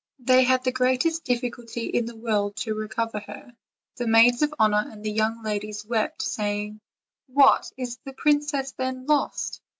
They had the greatest difficulty in the world to recover her. The maids of honor and the young ladies wept, saying: "What! is the princess, then, lost?"